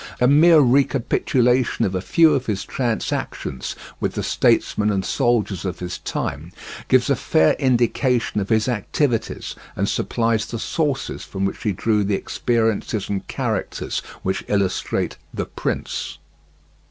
A mere recapitulation of a few of his transactions with the statesmen and soldiers of his time gives a fair indication of his activities, and supplies the sources from which he drew the experiences and characters which illustrate The Prince.